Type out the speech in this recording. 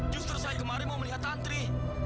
justru saya kemarin mau melihat antri